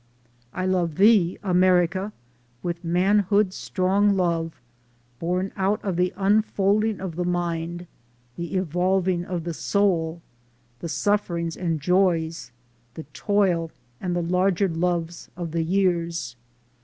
I love Thee, America, with manhood's strong love, born out of the unfolding of the mind, the evolving of the soul, the sufferings and joys, the toil and the larger loves of the years.